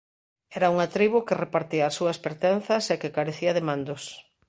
Era unha tribo que repartía as súas pertenzas e que carecía de mandos.